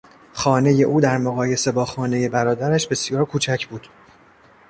خانهی او در مقایسه با خانهی برادرش بسیار کوچک بود.